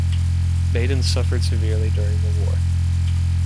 Baden suffered severely during the war.